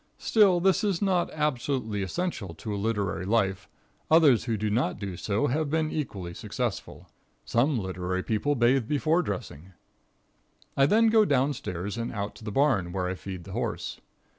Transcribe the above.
Still this is not absolutely essential to a literary life. Others who do not do so have been equally successful. Some literary people bathe before dressing. I then go down stairs and out to the barn, where I feed the horse.